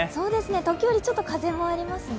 時折ちょっと風もありますね。